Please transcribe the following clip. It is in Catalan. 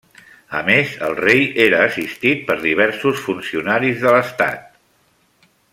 A més, el rei era assistit per diversos funcionaris de l'estat.